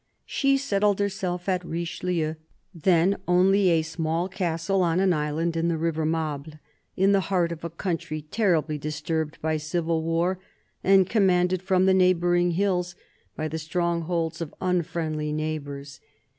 She settled herself at Richelieu, then only a small castle on an island in the river Mable, in the heart of a country terribly disturbed by civil war, and commanded, from the neighbouring hills, by the strongholds of unfriendly neigh bours.